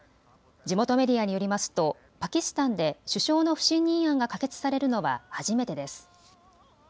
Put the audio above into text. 地元メディアによりますとパキスタンで首相の不信任案が可決されるのは初めてです。